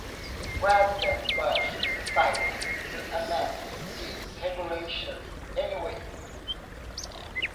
President Bush decided to amend these regulations anyway.